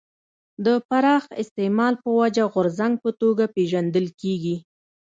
د پراخ استعمال په وجه غورځنګ په توګه پېژندل کېږي.